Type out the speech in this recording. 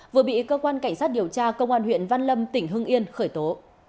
vừa bị cơ quan cảnh sát điều tra công an huyện văn lâm tỉnh hưng yên khởi tố